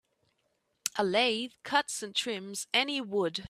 A lathe cuts and trims any wood.